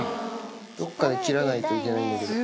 どっかで切らないといけないんだけど。